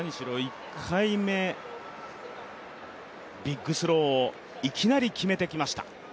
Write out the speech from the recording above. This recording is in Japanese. １回目、ビッグスローをいきなり決めてきました。